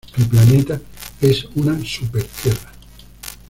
El planeta es una Supertierra.